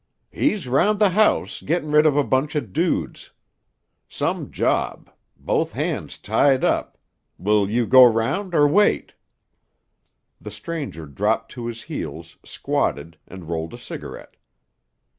"He's round the house, gettin' rid of a bunch of dudes. Some job. Both hands tied up. Will you go round or wait?" The stranger dropped to his heels, squatted, and rolled a cigarette.